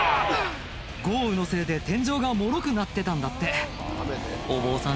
豪雨のせいで天井がもろくなってたんだってお坊さん